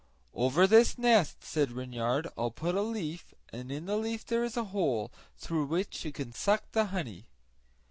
"Over this nest," said Reynard, "I'll put a leaf, and in the leaf there is a hole, through which you can suck the honey."